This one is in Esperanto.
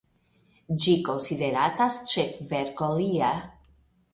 Ĝi konsideratas ĉefverko lia.